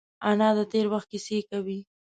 انا د تېر وخت کیسې کوي